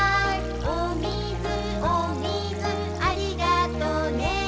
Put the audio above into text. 「おみずおみずありがとね」